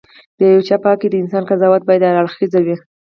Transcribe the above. د یو چا په حق د انسان قضاوت باید هراړخيزه وي.